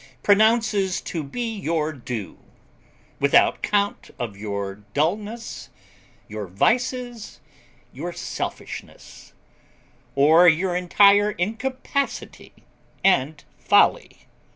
pronounces to be your due: without count of your dulness, your vices, your selfishness; or your entire incapacity and folly.